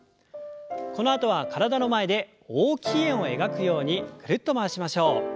このあとは体の前で大きい円を描くようにぐるっと回しましょう。